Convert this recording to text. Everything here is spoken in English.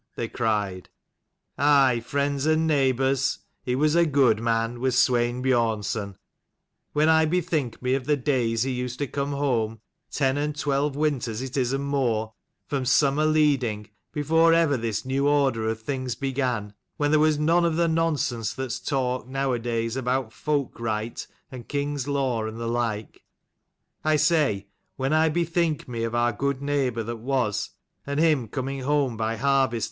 they cried.) " Aye, friends and neighbours, he was a good man, was Swein Biornson. When I bethink me of the days he used to come home, ten and twelve winters it is and more, from summer leading, before ever this new order of things began, when there was none of the nonsense that's talked nowadays about folk right and king's law and the like : I say when I bethink me of our good neighbour that was, and him coming home by harvest.